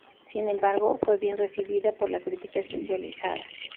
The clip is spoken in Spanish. Sin embargo, fue bien recibida por la crítica especializada.